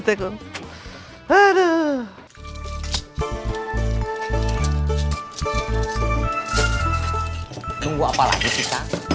tunggu apalagi kita